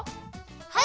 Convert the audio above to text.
はい！